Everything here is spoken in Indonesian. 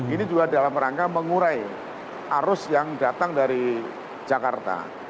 ini juga dalam rangka mengurai arus yang datang dari jakarta